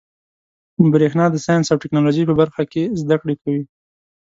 برېښنا د ساینس او ټيکنالوجۍ په برخه کي زده کړي کوي.